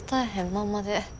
まんまで。